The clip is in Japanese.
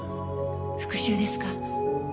復讐ですか？